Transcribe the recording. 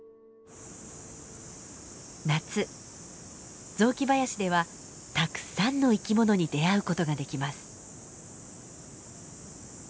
夏雑木林ではたくさんの生き物に出会うことができます。